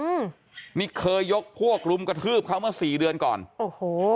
อืมนี่เคยยกพวกรุมกระทืบเขาเมื่อสี่เดือนก่อนโอ้โห